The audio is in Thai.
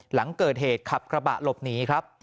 หลังเกิดเหตุขับกระบะหลบหนีครับ